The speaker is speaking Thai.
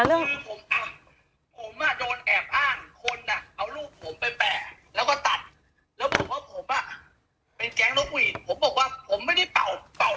คือผมอ่ะผมอ่ะโดนแอบอ้างคนอ่ะเอารูปผมไปแปะแล้วก็ตัด